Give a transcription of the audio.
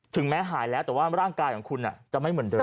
แม้หายแล้วแต่ว่าร่างกายของคุณจะไม่เหมือนเดิม